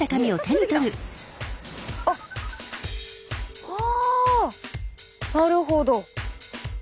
あっはあなるほど。